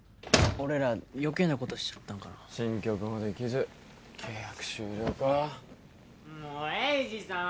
俺ら余計なことしちゃったんかな新曲もできず契約終了かもう栄治さん